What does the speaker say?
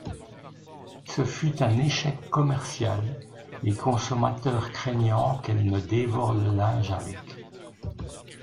Ce fut un échec commercial, les consommateurs craignant qu'elles ne dévorent le linge avec.